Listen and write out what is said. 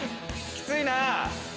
きついな！